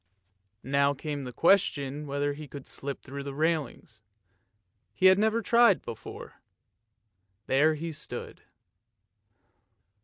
Now came the question whether he could slip through the railings ; he had never tried it before. There he stood.